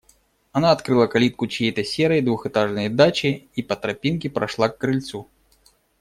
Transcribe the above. Она открыла калитку чьей-то серой двухэтажной дачи и по тропинке прошла к крыльцу.